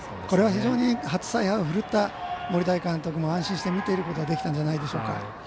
これは非常に初采配を振るった森大監督も安心して見ることができたんじゃないでしょうか。